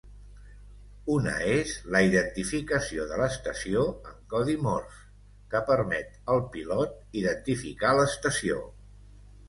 Una és la identificació de l'estació en codi Morse, que permet al pilot identificar l'estació.